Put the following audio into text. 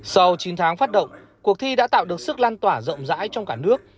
sau chín tháng phát động cuộc thi đã tạo được sức lan tỏa rộng rãi trong cả nước